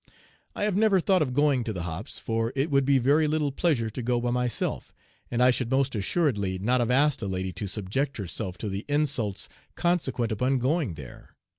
I have never thought of going to the 'hops,' for it would be very little pleasure to go by myself, and I should most assuredly not have asked a lady to subject herself to the insults consequent upon going there.